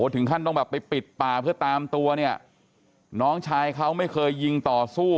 ถึงขั้นต้องแบบไปปิดป่าเพื่อตามตัวเนี่ยน้องชายเขาไม่เคยยิงต่อสู้